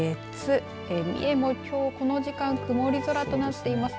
三重もきょうはこの時間曇り空となっています。